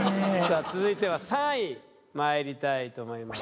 続いては３位まいりたいと思います